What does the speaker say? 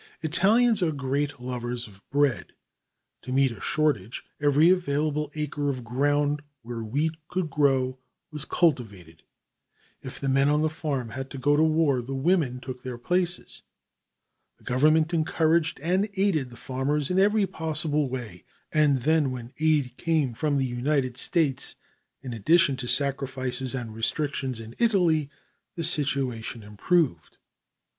Italians are great lovers of bread. To meet a shortage, every available acre of ground where wheat would grow was cultivated. If the men on the farm had gone to war, the women took their places. The Government encouraged and aided the farmers in every possible way, and then when aid came from the United States, in addition to sacrifices and restrictions in Italy, the situation improved.